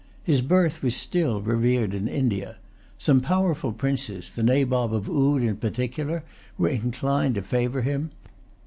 His birth was still revered in India. Some powerful princes, the Nabob of Oude in particular, were inclined to favour him.